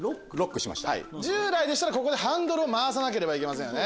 従来でしたらハンドルを回さなければいけませんね。